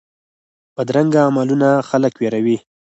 بدرنګه عملونه خلک ویروي